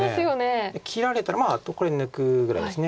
切られたらまあこれ抜くぐらいです。